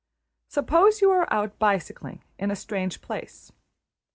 Suppose you are out bicycling in a strange place.